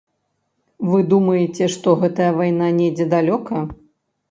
Вы думаеце, што гэтая вайна недзе далёка?